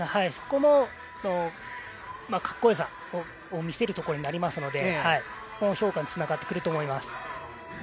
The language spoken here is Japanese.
そこのかっこよさを見せるところになりますのでそこも評価につながってくると思います。